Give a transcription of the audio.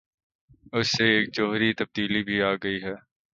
اس سے ایک جوہری تبدیلی بھی آئے گی۔